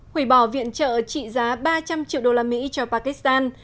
hủy bỏ viện trợ trị giá ba trăm linh triệu đô la mỹ cho pakistan